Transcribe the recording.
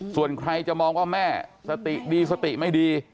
ส่วนใครจะมองว่าแม่สติดีสติไม่ดี